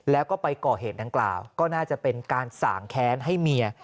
แล้วก็ไปก่อเหตุดังกล่าวก็น่าจะเป็นการสางแค้นให้เมีย